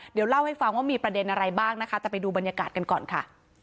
เดี๋ยวเล่าให้ฟังว่ามีประเด็นอะไรบ้างนะคะแต่ไปดูบรรยากาศกันก่อนค่ะ